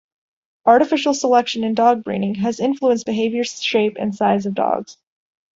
Artificial selection in dog breeding has influenced behavior, shape, and size of dogs.